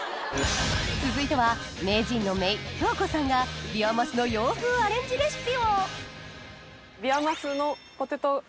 続いては名人のめい恭子さんがビワマスの洋風アレンジレシピをビワマスの。